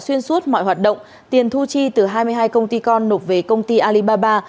xuyên suốt mọi hoạt động tiền thu chi từ hai mươi hai công ty con nộp về công ty alibaba